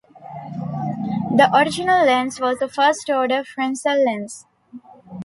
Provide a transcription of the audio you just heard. The original lens was a first-order Fresnel lens.